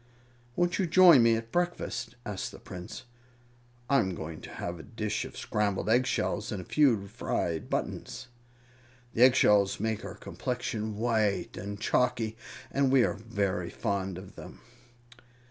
"Won't you join me at breakfast?" asked the prince. "I'm going to have a dish of scrambled egg shells and a few fried buttons. The eggshells make our complexion white and chalky, and we are very fond of them."